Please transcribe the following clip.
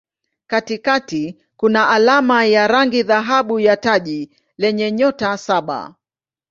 Katikati kuna alama ya rangi dhahabu ya taji lenye nyota saba.